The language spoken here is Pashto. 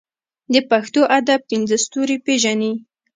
د پښتو ادب پنځه ستوري پېژنې.